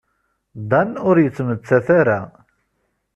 Dan ur yettmettat ara.